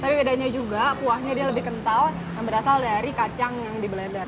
tapi bedanya juga kuahnya dia lebih kental yang berasal dari kacang yang di blender